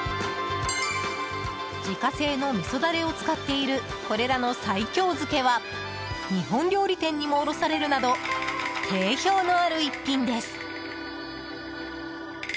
自家製のみそダレを使っているこれらの西京漬けは日本料理店にも卸されるなど定評のある逸品です。